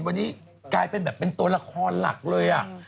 วันนี้กลายเป็นแบบเป็นตัวละครหลักเลย